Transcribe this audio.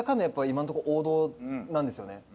やっぱ今のとこ王道なんですよね。